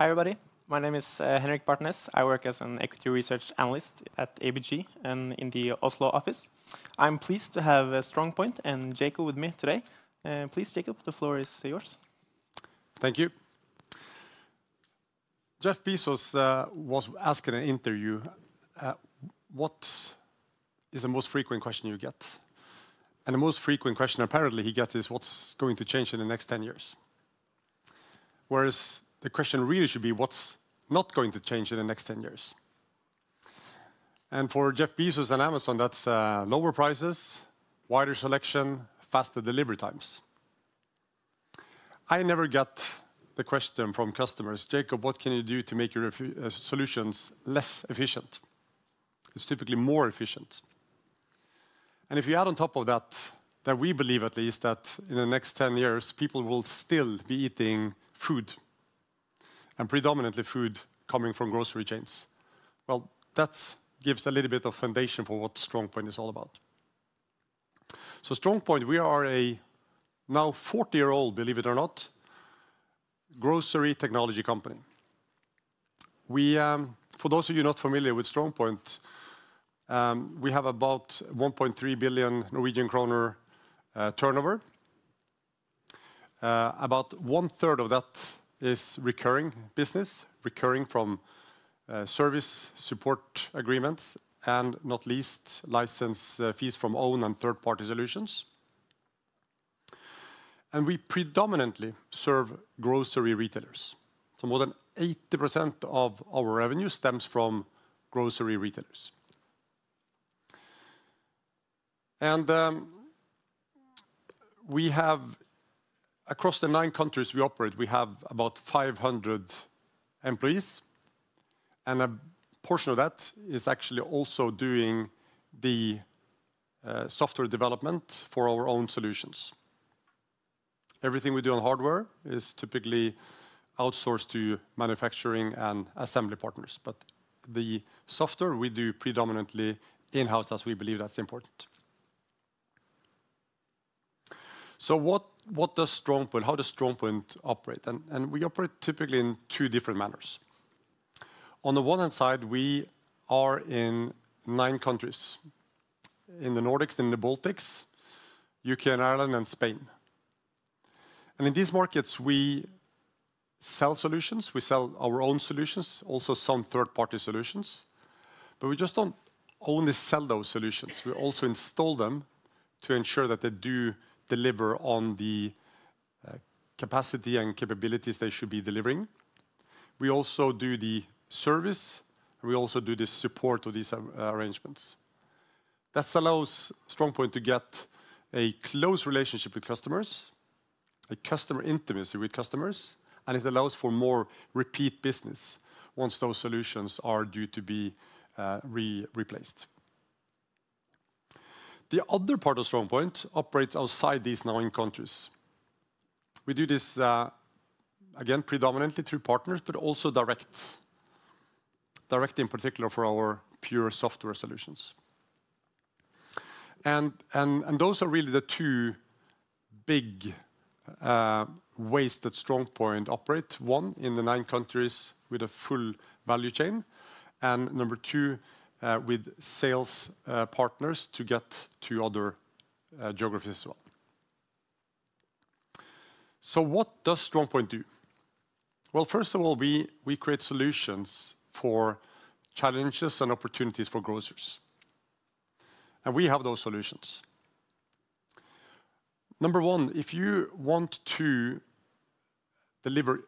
Hi everybody, my name is Henrik Bartnes. I work as an Equity Research Analyst at ABG and in the Oslo office. I'm pleased to have StrongPoint and Jacob with me today. Please, Jacob, the floor is yours. Thank you. Jeff Bezos was asked in an interview, "What is the most frequent question you get?" The most frequent question apparently he gets is, "What's going to change in the next 10 years?" The question really should be, "What's not going to change in the next 10 years?" For Jeff Bezos and Amazon, that's lower prices, wider selection, faster delivery times. I never get the question from customers, "Jacob, what can you do to make your solutions less efficient?" It's typically more efficient. If you add on top of that, that we believe at least that in the next 10 years people will still be eating food, and predominantly food coming from grocery chains, that gives a little bit of foundation for what StrongPoint is all about. StrongPoint, we are a now 40-year-old, believe it or not, grocery technology company. For those of you not familiar with StrongPoint, we have about 1.3 billion Norwegian kroner turnover. About 1/3 of that is recurring business, recurring from service support agreements and not least license fees from owned and third-party solutions. We predominantly serve grocery retailers. More than 80% of our revenue stems from grocery retailers. We have, across the nine countries we operate, about 500 employees, and a portion of that is actually also doing the software development for our own solutions. Everything we do on hardware is typically outsourced to manufacturing and assembly partners, but the software we do predominantly in-house as we believe that's important. What does StrongPoint, how does StrongPoint operate? We operate typically in two different manners. On the one hand side, we are in nine countries, in the Nordics, in the Baltics, U.K. and Ireland, and Spain. In these markets, we sell solutions, we sell our own solutions, also some third-party solutions, but we just do not only sell those solutions, we also install them to ensure that they do deliver on the capacity and capabilities they should be delivering. We also do the service, and we also do the support of these arrangements. That allows StrongPoint to get a close relationship with customers, a customer intimacy with customers, and it allows for more repeat business once those solutions are due to be replaced. The other part of StrongPoint operates outside these nine countries. We do this, again, predominantly through partners, but also direct, direct in particular for our pure software solutions. Those are really the two big ways that StrongPoint operates. One, in the nine countries with a full value chain, and number two, with sales partners to get to other geographies as well. What does StrongPoint do? First of all, we create solutions for challenges and opportunities for grocers, and we have those solutions. Number one, if you want to deliver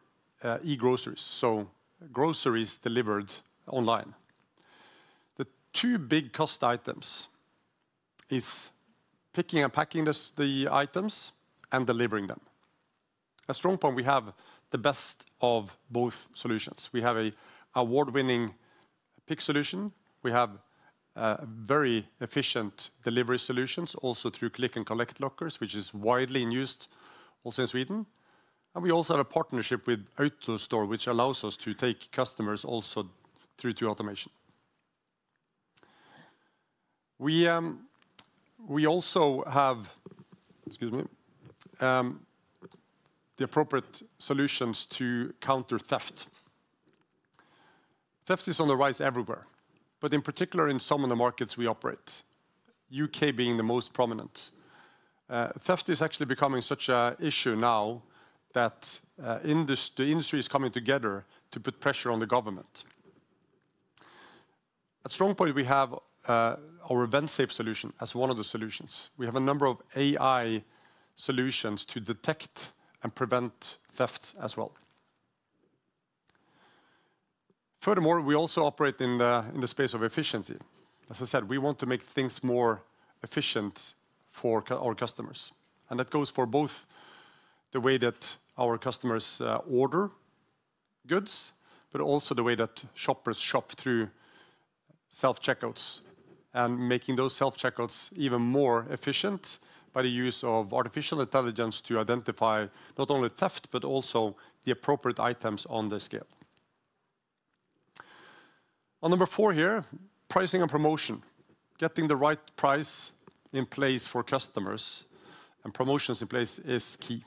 e-groceries, so groceries delivered online, the two big cost items are picking and packing the items and delivering them. At StrongPoint, we have the best of both solutions. We have an award-winning pick solution, we have very efficient Delivery Solutions also through Click And Collect Lockers, which is widely used also in Sweden, and we also have a partnership with AutoStore, which allows us to take customers also through automation. We also have, excuse me, the appropriate solutions to counter theft. Theft is on the rise everywhere, but in particular in some of the markets we operate, U.K. being the most prominent. Theft is actually becoming such an issue now that the industry is coming together to put pressure on the government. At StrongPoint, we have our Vensafe solution as one of the solutions. We have a number of AI solutions to detect and prevent thefts as well. Furthermore, we also operate in the space of efficiency. As I said, we want to make things more efficient for our customers, and that goes for both the way that our customers order goods, but also the way that shoppers shop through Self-Checkouts and making those Self-Checkouts even more efficient by the use of artificial intelligence to identify not only theft, but also the appropriate items on the scale. On number four here, pricing and promotion. Getting the right price in place for customers and promotions in place is key.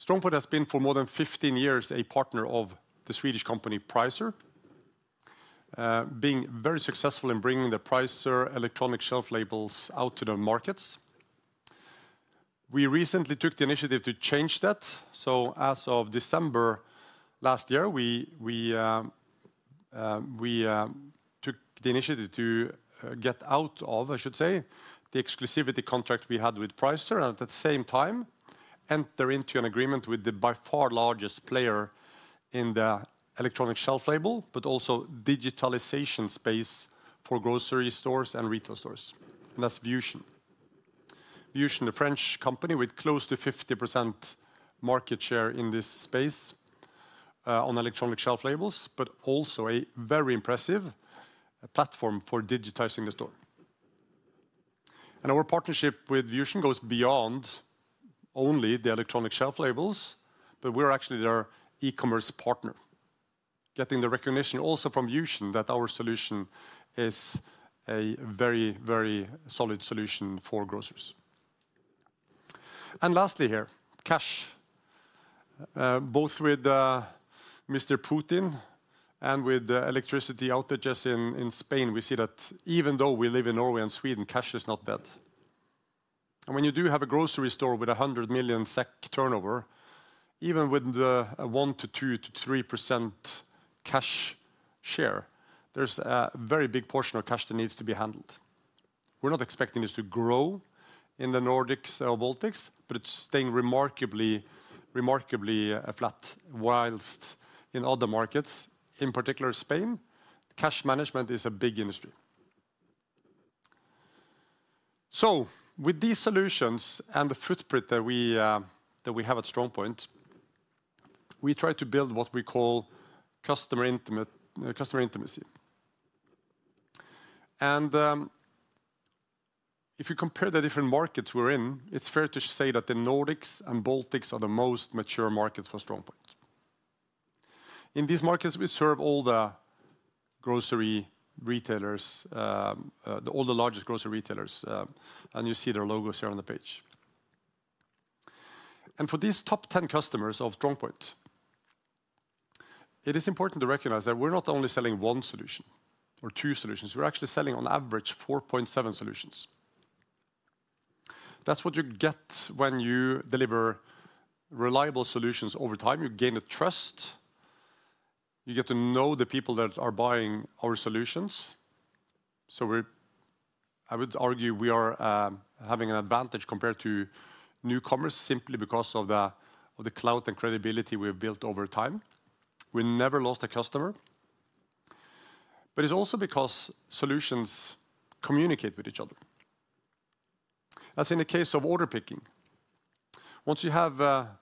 StrongPoint has been for more than 15 years a partner of the Swedish company Pricer, being very successful in bringing the Pricer Electronic Shelf Labels out to the markets. We recently took the initiative to change that, so as of December last year, we took the initiative to get out of, I should say, the exclusivity contract we had with Pricer and at the same time enter into an agreement with the by far largest player in the Electronic Shelf Label, but also digitalization space for grocery stores and retail stores, and that's Vusion. Vusion, the French company with close to 50% market share in this space on Electronic Shelf Labels, but also a very impressive platform for digitizing the store. Our partnership with Vusion goes beyond only the Electronic Shelf Labels, but we're actually their e-commerce partner, getting the recognition also from Vusion that our solution is a very, very solid solution for grocers. Lastly here, cash. Both with Mr. Putin and with electricity outages in Spain, we see that even though we live in Norway and Sweden, cash is not dead. When you do have a grocery store with 100 million SEK turnover, even with the 1%-2%-3% cash share, there's a very big portion of cash that needs to be handled. We're not expecting this to grow in the Nordics or Baltics, but it's staying remarkably flat whilst in other markets, in particular Spain, cash management is a big industry. With these solutions and the footprint that we have at StrongPoint, we try to build what we call customer intimacy. If you compare the different markets we're in, it's fair to say that the Nordics and Baltics are the most mature markets for StrongPoint. In these markets, we serve all the grocery retailers, all the largest grocery retailers, and you see their logos here on the page. For these top 10 customers of StrongPoint, it is important to recognize that we're not only selling one solution or two solutions, we're actually selling on average 4.7 solutions. That's what you get when you deliver reliable solutions over time, you gain trust, you get to know the people that are buying our solutions. I would argue we are having an advantage compared to newcomers simply because of the clout and credibility we've built over time. We never lost a customer, but it's also because solutions communicate with each other. As in the case of order picking, once you have a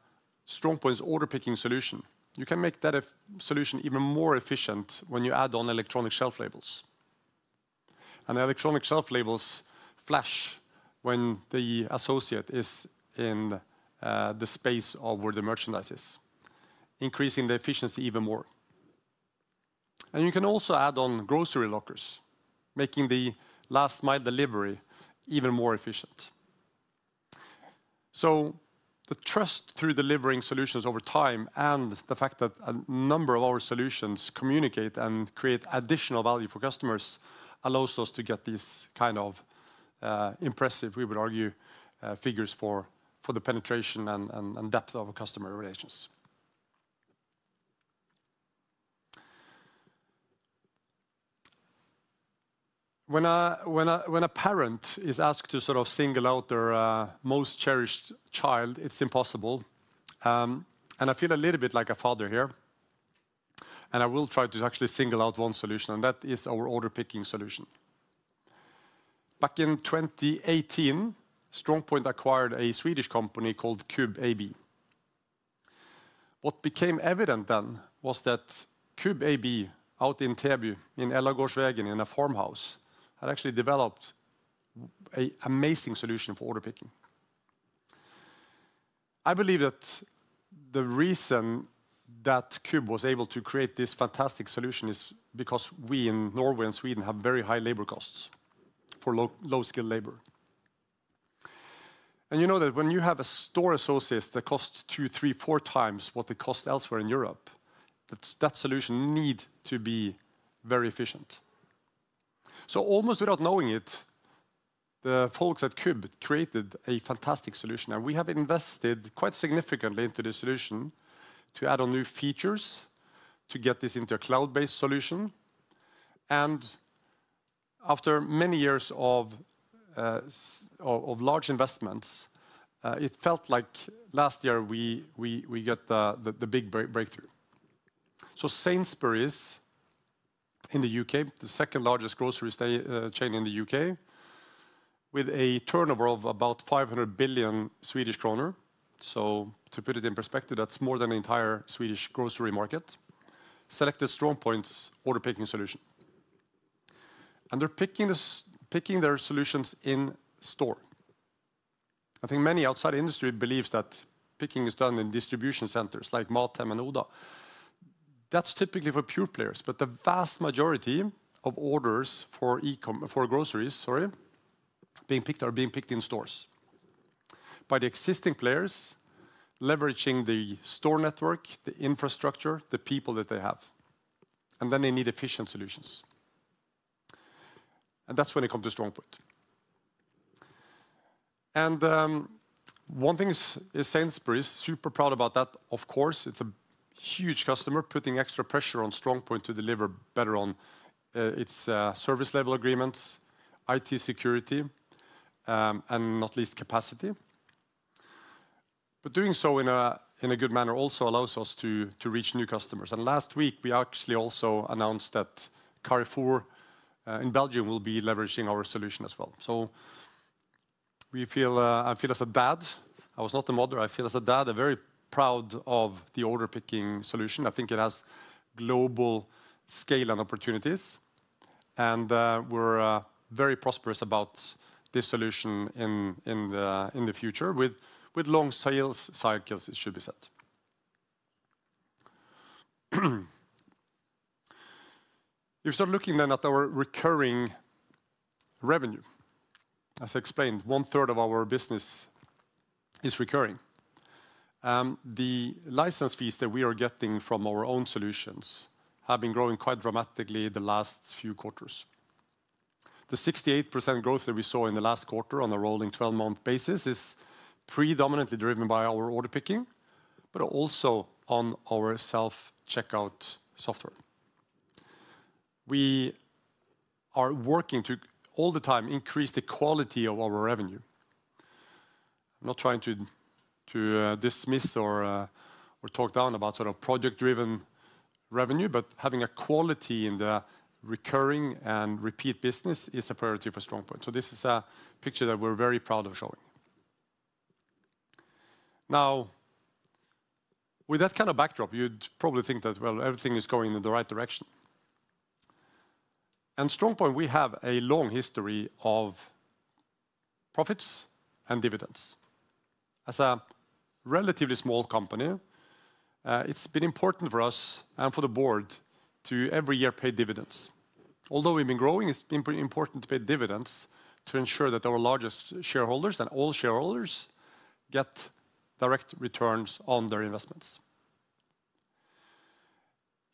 StrongPoint's Order Picking Solution, you can make that solution even more efficient when you add on Electronic Shelf Labels. The Electronic Shelf Labels flash when the associate is in the space of where the merchandise is, increasing the efficiency even more. You can also add on Grocery Lockers, making the last mile delivery even more efficient. The trust through delivering solutions over time and the fact that a number of our solutions communicate and create additional value for customers allows us to get these kind of impressive, we would argue, figures for the penetration and depth of customer relations. When a parent is asked to sort of single out their most cherished child, it's impossible, and I feel a little bit like a father here, and I will try to actually single out one solution, and that is our Order Picking Solution. Back in 2018, StrongPoint acquired a Swedish company called CUB AB. What became evident then was that CUB AB out in Täby in Ellagårdsvägen in a farmhouse had actually developed an amazing solution for order picking. I believe that the reason that CUB was able to create this fantastic solution is because we in Norway and Sweden have very high labor costs for low-skilled labor. And you know that when you have a store associate that costs two, three, four times what it costs elsewhere in Europe, that solution needs to be very efficient. Almost without knowing it, the folks at CUB created a fantastic solution, and we have invested quite significantly into this solution to add on new features to get this into a cloud-based solution. After many years of large investments, it felt like last year we got the big breakthrough. Sainsbury's in the U.K., the second largest grocery chain in the U.K., with a turnover of about 500 billion Swedish kronor, to put it in perspective, that's more than the entire Swedish grocery market, selected StrongPoint's Order Picking Solution. They're picking their solutions in store. I think many outside industry believe that picking is done in distribution centers like Maltem and Oda. That's typically for pure players, but the vast majority of orders for groceries, sorry, being picked are being picked in stores by the existing players, leveraging the store network, the infrastructure, the people that they have, and then they need efficient solutions. That is when it comes to StrongPoint. One thing is Sainsbury's, super proud about that, of course, it's a huge customer putting extra pressure on StrongPoint to deliver better on its service level agreements, IT security, and not least capacity. Doing so in a good manner also allows us to reach new customers. Last week, we actually also announced that Carrefour in Belgium will be leveraging our solution as well. I feel as a dad, I was not a mother, I feel as a dad very proud of the Order Picking Solution. I think it has global scale and opportunities, and we're very prosperous about this solution in the future with long sales cycles, it should be said. If you start looking then at our recurring revenue, as I explained, 1/3 of our business is recurring. The license fees that we are getting from our own solutions have been growing quite dramatically the last few quarters. The 68% growth that we saw in the last quarter on a rolling 12-month basis is predominantly driven by our order picking, but also on our Self-Checkout software. We are working to all the time increase the quality of our revenue. I'm not trying to dismiss or talk down about sort of project-driven revenue, but having a quality in the recurring and repeat business is a priority for StrongPoint. This is a picture that we're very proud of showing. Now, with that kind of backdrop, you'd probably think that, well, everything is going in the right direction. At StrongPoint, we have a long history of profits and dividends. As a relatively small company, it's been important for us and for the board to every year pay dividends. Although we've been growing, it's been pretty important to pay dividends to ensure that our largest shareholders and all shareholders get direct returns on their investments.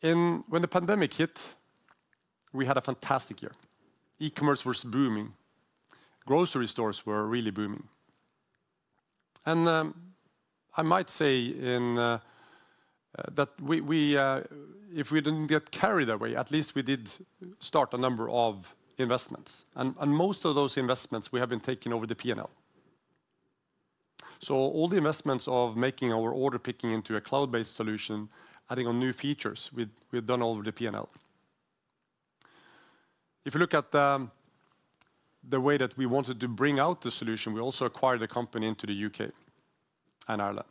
When the pandemic hit, we had a fantastic year. E-commerce was booming. Grocery stores were really booming. I might say that if we didn't get carried away, at least we did start a number of investments, and most of those investments we have been taking over the P&L. All the investments of making our order picking into a cloud-based solution, adding on new features, we've done over the P&L. If you look at the way that we wanted to bring out the solution, we also acquired a company into the U.K. and Ireland.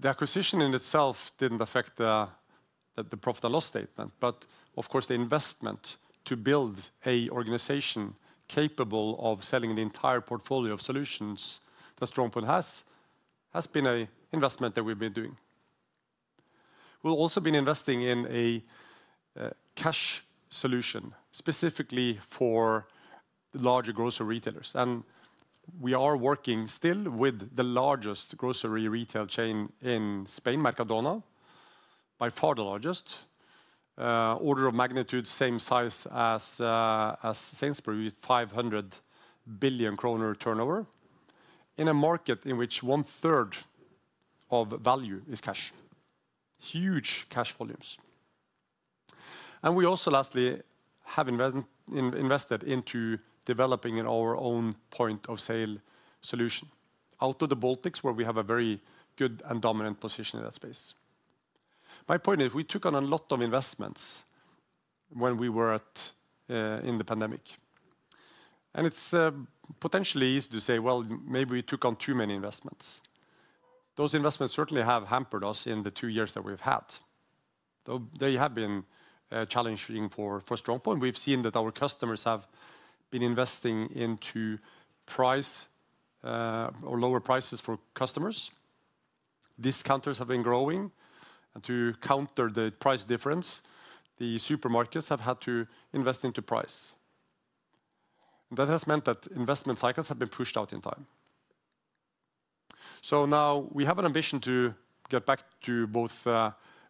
The acquisition in itself did not affect the profit and loss statement, but of course the investment to build an organization capable of selling the entire portfolio of solutions that StrongPoint has has been an investment that we have been doing. We have also been investing in a Cash Solution specifically for the larger grocery retailers, and we are working still with the largest grocery retail chain in Spain, Mercadona, by far the largest, order of magnitude same size as Sainsbury's, 500 billion kroner turnover, in a market in which one third of value is cash, huge cash volumes. We also lastly have invested into developing our own point of sale solution out of the Baltics, where we have a very good and dominant position in that space. My point is we took on a lot of investments when we were in the pandemic, and it's potentially easy to say, well, maybe we took on too many investments. Those investments certainly have hampered us in the two years that we've had. They have been challenging for StrongPoint. We've seen that our customers have been investing into price or lower prices for customers. Discounters have been growing, and to counter the price difference, the supermarkets have had to invest into price. That has meant that investment cycles have been pushed out in time. Now we have an ambition to get back to both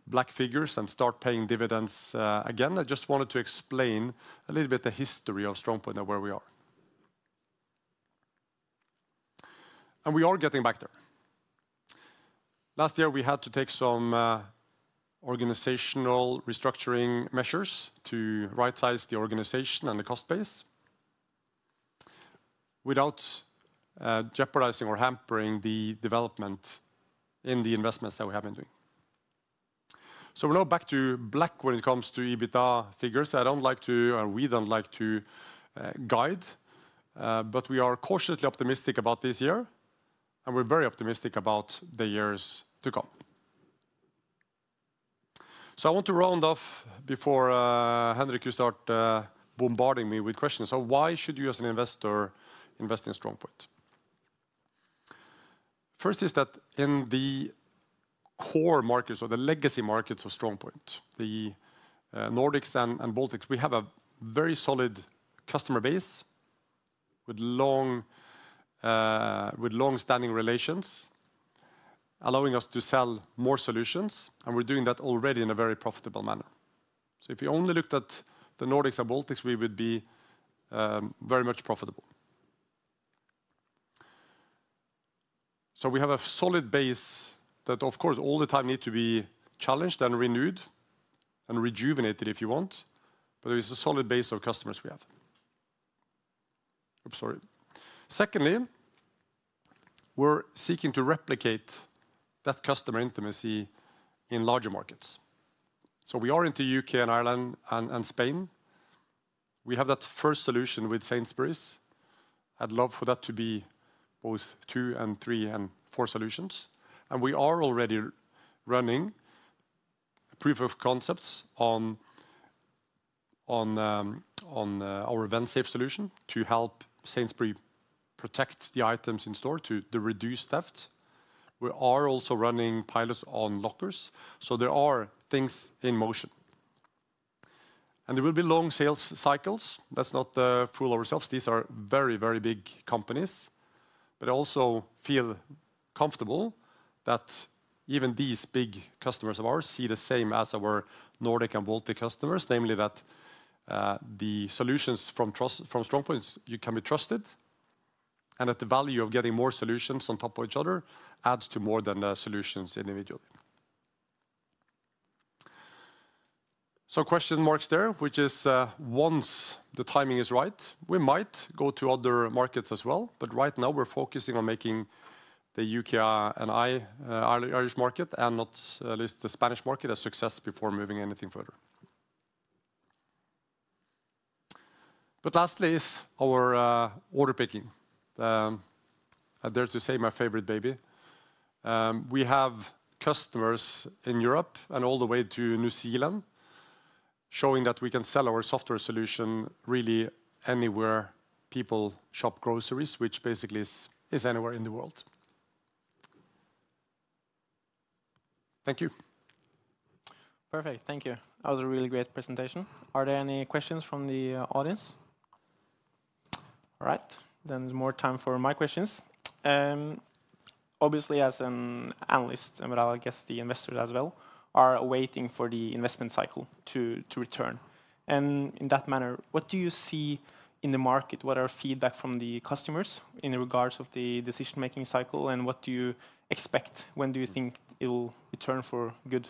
black figures and start paying dividends again. I just wanted to explain a little bit the history of StrongPoint and where we are. We are getting back there. Last year, we had to take some organizational restructuring measures to right-size the organization and the cost base without jeopardizing or hampering the development in the investments that we have been doing. We are now back to black when it comes to EBITDA figures. I do not like to, or we do not like to guide, but we are cautiously optimistic about this year, and we are very optimistic about the years to come. I want to round off before Henrik, you start bombarding me with questions. Why should you, as an investor, invest in StrongPoint? First is that in the core markets or the legacy markets of StrongPoint, the Nordics and Baltics, we have a very solid customer base with long-standing relations, allowing us to sell more solutions, and we are doing that already in a very profitable manner. If we only looked at the Nordics and Baltics, we would be very much profitable. We have a solid base that, of course, all the time needs to be challenged and renewed and rejuvenated, if you want, but there is a solid base of customers we have. Oops, sorry. Secondly, we're seeking to replicate that customer intimacy in larger markets. We are into the U.K. and Ireland and Spain. We have that first solution with Sainsbury's. I'd love for that to be both two and three and four solutions. We are already running a proof of concepts on our Vensafe solution to help Sainsbury's protect the items in store to reduce theft. We are also running pilots on lockers, so there are things in motion. There will be long sales cycles. Let's not fool ourselves. These are very, very big companies, but I also feel comfortable that even these big customers of ours see the same as our Nordic and Baltic customers, namely that the solutions from StrongPoint can be trusted and that the value of getting more solutions on top of each other adds to more than the solutions individually. There are question marks there, which is once the timing is right, we might go to other markets as well. Right now we're focusing on making the U.K. and Irish market and not at least the Spanish market a success before moving anything further. Lastly is our order picking. I dare to say my favorite baby. We have customers in Europe and all the way to New Zealand, showing that we can sell our software solution really anywhere people shop groceries, which basically is anywhere in the world. Thank you. Perfect. Thank you. That was a really great presentation. Are there any questions from the audience? All right. There is more time for my questions. Obviously, as an analyst, and I guess the investors as well, are waiting for the investment cycle to return. In that manner, what do you see in the market? What are feedback from the customers in regards to the decision-making cycle, and what do you expect? When do you think it will return for good?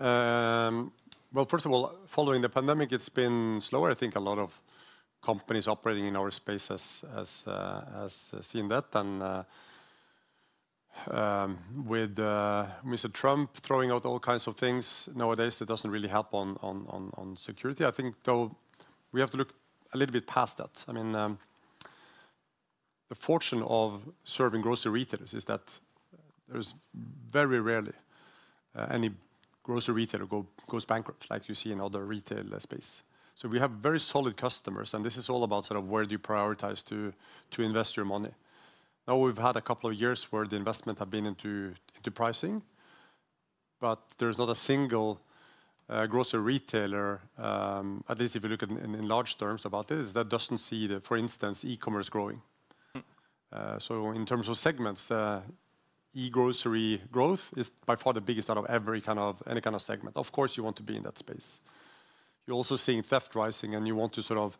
First of all, following the pandemic, it has been slower. I think a lot of companies operating in our space have seen that. With Mr. Trump throwing out all kinds of things nowadays, that does not really help on security. I think we have to look a little bit past that. I mean, the fortune of serving grocery retailers is that there's very rarely any grocery retailer goes bankrupt like you see in other retail space. So we have very solid customers, and this is all about sort of where do you prioritize to invest your money. Now we've had a couple of years where the investment has been into pricing, but there's not a single grocery retailer, at least if you look at it in large terms about this, that doesn't see the, for instance, e-commerce growing. In terms of segments, e-grocery growth is by far the biggest out of any kind of segment. Of course, you want to be in that space. You're also seeing theft rising, and you want to sort of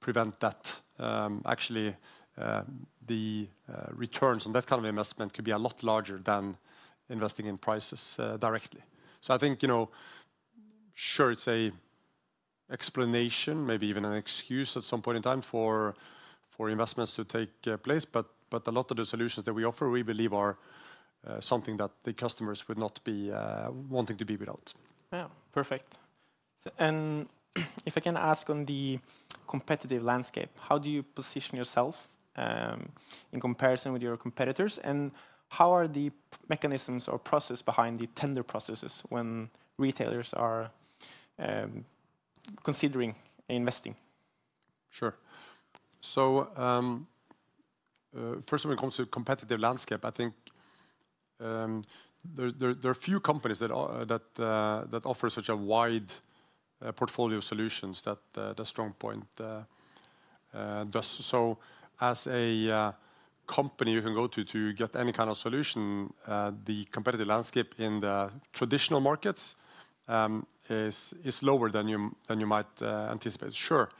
prevent that. Actually, the returns on that kind of investment could be a lot larger than investing in prices directly. I think, sure, it's an explanation, maybe even an excuse at some point in time for investments to take place, but a lot of the solutions that we offer, we believe, are something that the customers would not be wanting to be without. Yeah, perfect. If I can ask on the competitive landscape, how do you position yourself in comparison with your competitors, and how are the mechanisms or processes behind the tender processes when retailers are considering investing? Sure. First, when it comes to the competitive landscape, I think there are few companies that offer such a wide portfolio of solutions that StrongPoint does. As a company you can go to to get any kind of solution, the competitive landscape in the traditional markets is lower than you might anticipate. Sure,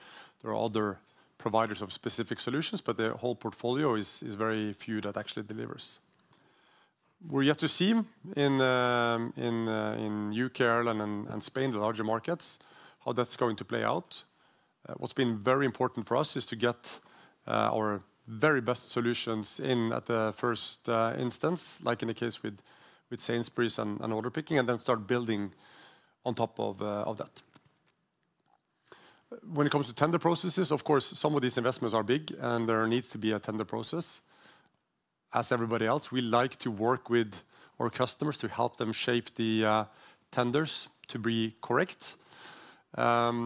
there are other providers of specific solutions, but the whole portfolio is very few that actually delivers. We're yet to see in the U.K., Ireland, and Spain, the larger markets, how that's going to play out. What's been very important for us is to get our very best solutions in at the first instance, like in the case with Sainsbury's and order picking, and then start building on top of that. When it comes to tender processes, of course, some of these investments are big, and there needs to be a tender process. As everybody else, we like to work with our customers to help them shape the tenders to be correct. You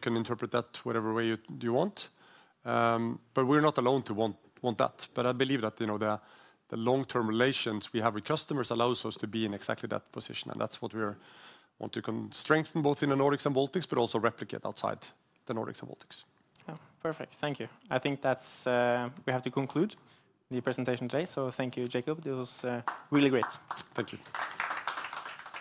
can interpret that whatever way you want. We're not alone to want that. I believe that the long-term relations we have with customers allows us to be in exactly that position. That is what we want to strengthen both in the Nordics and Baltics, but also replicate outside the Nordics and Baltics. Perfect. Thank you. I think we have to conclude the presentation today. Thank you, Jacob. This was really great. Thank you.